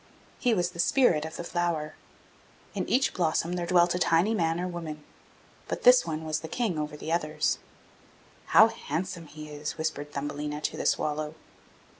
He was the spirit of the flower. In each blossom there dwelt a tiny man or woman; but this one was the King over the others. 'How handsome he is!' whispered Thumbelina to the swallow.